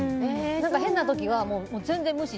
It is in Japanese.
変な時は全然無視。